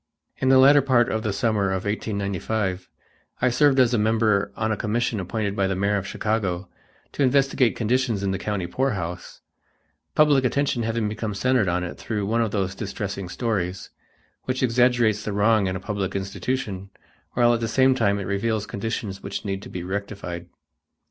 In the latter part of the summer of 1895, I served as a member on a commission appointed by the mayor of Chicago, to investigate conditions in the county poorhouse, public attention having become centered on it through one of those distressing stories, which exaggerates the wrong in a public institution while at the same time it reveals conditions which need to be rectified.